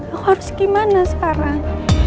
aku harus gimana sekarang